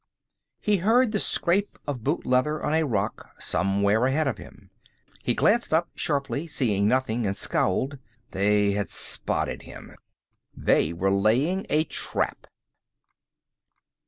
He heard the scrape of boot leather on a rock somewhere ahead of him. He glanced up sharply, seeing nothing, and scowled. They had spotted him. They were laying a trap.